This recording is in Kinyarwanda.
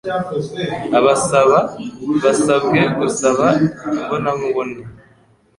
Abasaba basabwe gusaba imbonankubone.